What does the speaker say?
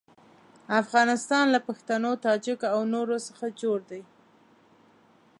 افغانستان له پښتنو، تاجکو او نورو څخه جوړ دی.